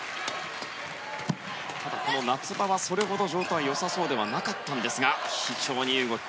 ただ、この夏場はそれほど状態が良さそうではなかったんですが非常にいい動き。